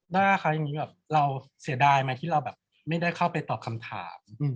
้าคะอย่างนี้แบบเราเสียดายไหมที่เราแบบไม่ได้เข้าไปตอบคำถาม